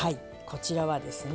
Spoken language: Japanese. こちらはですね